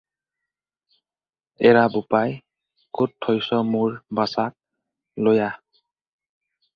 এৰা বোপাই! ক'ত থৈছ মোৰ বাছাক লৈ আহ।